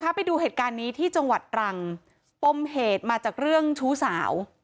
ไปดูเหตุการณ์นี้ที่จังหวัดตรังปมเหตุมาจากเรื่องชู้สาว